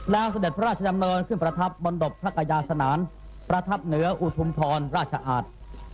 แล้วเสด็จพระราชดำเนินขึ้นประทับบนดบพระกาสนานประทับเหนืออุทุมทรราชอาจ